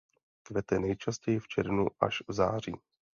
Kvete nejčastěji v červnu až v září.